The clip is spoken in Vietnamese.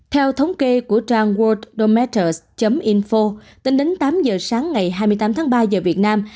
theo thống kê của trang world dometters info tính đến tám giờ sáng ngày hai mươi tám tháng ba giờ việt nam